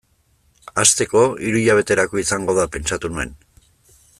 Hasteko, hiru hilabeterako izango da, pentsatu nuen.